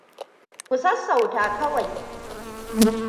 Ku sassauta kawai.